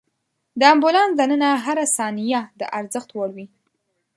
د امبولانس دننه هره ثانیه د ارزښت وړ وي.